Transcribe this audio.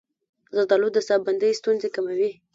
زردآلو د ساه بندۍ ستونزې کموي.